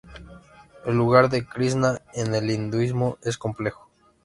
El lugar de Krisná en el hinduismo es complejo.